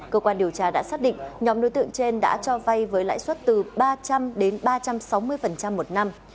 cơ quan điều tra đã xác định nhóm đối tượng trên đã cho vay với lãi suất từ ba trăm linh đến ba trăm sáu mươi một năm